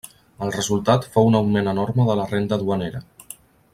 El resultat fou un augment enorme de la renda duanera.